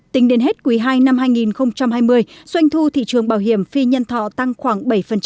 tính đến hết quý ii năm hai nghìn hai mươi doanh thu thị trường bảo hiểm phi nhân thọ tăng khoảng bảy